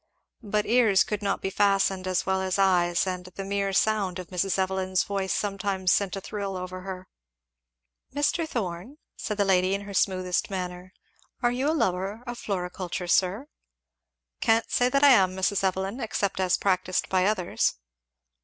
But ears could not be fastened as well as eyes; and the mere sound of Mrs. Evelyn's voice sometimes sent a thrill over her. "Mr. Thorn," said the lady in her smoothest manner, "are you a lover of floriculture, sir?" "Can't say that I am, Mrs. Evelyn, except as practised by others."